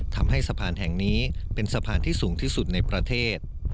ทำให้สะพานแห่งนี้เป็นสะพานที่สูงที่สุดในประเทศ